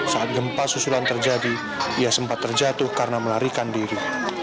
saat gempa susulan terjadi ia sempat terjatuh karena melarikan diri